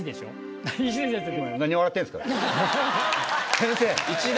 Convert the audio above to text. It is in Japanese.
先生！